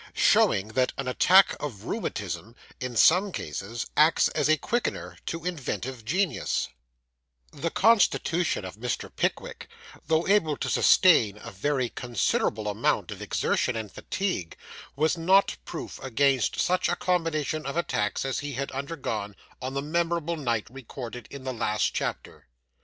SHOWING THAT AN ATTACK OF RHEUMATISM, IN SOME CASES, ACTS AS A QUICKENER TO INVENTIVE GENIUS The constitution of Mr. Pickwick, though able to sustain a very considerable amount of exertion and fatigue, was not proof against such a combination of attacks as he had undergone on the memorable night, recorded in the last chapter.